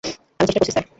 আমি চেষ্টা করছি, স্যার।